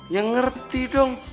yang ngerti dong